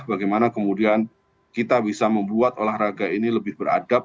bagaimana kemudian kita bisa membuat olahraga ini lebih beradab